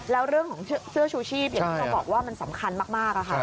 แล้วเรื่องของเสื้อชูชีพอย่างที่เราบอกว่ามันสำคัญมากค่ะ